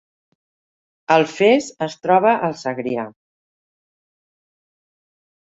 Alfés es troba al Segrià